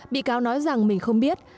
bị cáo nói rằng mình không biết